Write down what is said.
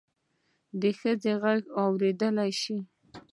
د ښځې غږ واوريدل شو.